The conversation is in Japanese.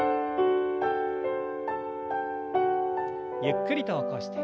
ゆっくりと起こして。